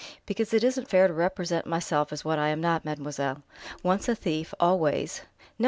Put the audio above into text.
"Because it isn't fair to represent myself as what I am not, mademoiselle. Once a thief, always " "No!